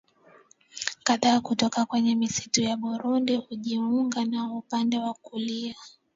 kadhaa kutoka kwenye misitu ya Burundi hujiunga nao upande wa kulia